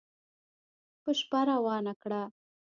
په شپه روانه کړه